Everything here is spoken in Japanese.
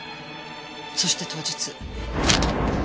そして当日。